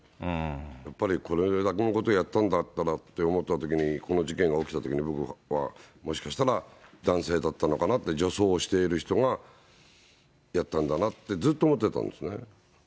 やっぱりこれだけのことやったんだったらって思ったときに、この事件が起きたときに、ぼくはもしかしたら男性だったのかなって、女装をしている人がやったんだなって、ずっと思ってたんですね。